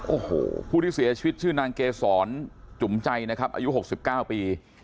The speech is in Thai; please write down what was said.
โอ้โหผู้ที่เสียชีวิตชื่อนางเกษรจุ๋มใจนะครับอายุ๖๙ปี